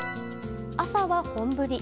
朝は本降り。